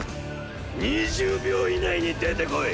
２０秒以内に出てこい！